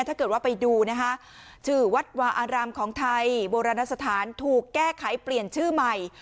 ถ้าเกิดว่าไปดูนะคะชื่อวัดวาอารามของไทยโบราณสถานถูกแก้ไขเปลี่ยนชื่อใหม่